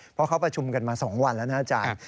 เพราะเขาประชุมกันมา๒วันแล้วนะอาจารย์